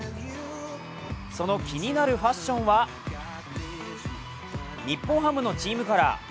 その気になるファッションは日本ハムのチームカラー